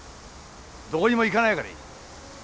どこにも行かないからいい。